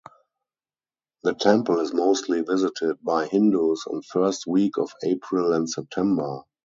The temple is mostly visited by Hindus on first week of April and September.